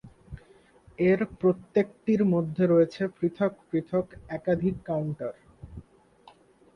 এর প্রত্যেকটির মধ্যে রয়েছে পৃথক পৃথক একাধিক কাউন্টার।